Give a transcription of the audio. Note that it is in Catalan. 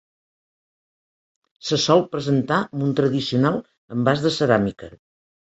Se sol presentar amb un tradicional envàs de ceràmica.